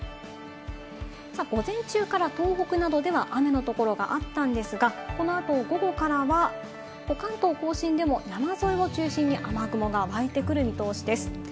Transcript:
午前中から東北などでは雨のところがあったんですが、このあと午後からは関東甲信でも山沿いを中心に雨雲がわいてくる見通しです。